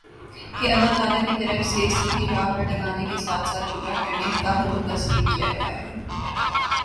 کہ اللہ تعالیٰ کی طرف سے سیدھی راہ پر لگانے کے ساتھ ساتھ گمراہ کرنے کا بندوبست بھی کیا گیا ہے